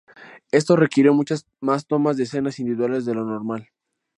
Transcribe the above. Esto requirió muchas más tomas de escenas individuales de lo normal.